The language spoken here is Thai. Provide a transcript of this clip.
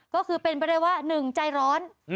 ก็คือเป็นบรรยาวะ๑ใจร้อน